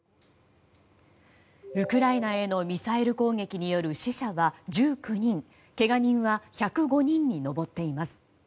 ウクライナへのミサイル攻撃による死者は１９人けが人は１０５人に上っています。